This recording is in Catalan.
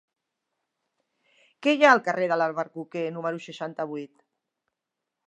Què hi ha al carrer de l'Albercoquer número seixanta-vuit?